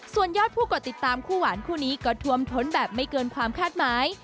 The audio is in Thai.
ส่วนยอดผู้กดติดตามคู่หวานคู่นี้ก็ท่วมท้นแบบไม่เกินความคาดหมาย